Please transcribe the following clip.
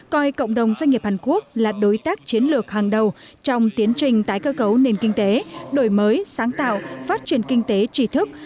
coi cộng đồng doanh nghiệp hàn quốc là đối tác chiến lược hàng đầu trong tiến trình tái cơ cấu nền kinh tế đổi mới sáng tạo phát triển kinh tế trí thức